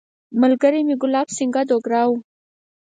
ملګری مې ګلاب سینګهه دوګرا وو.